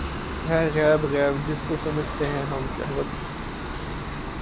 ہے غیب غیب‘ جس کو سمجھتے ہیں ہم شہود